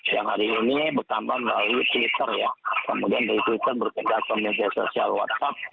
yang hari ini bertambah melalui twitter ya kemudian dari twitter berpindah ke media sosial whatsapp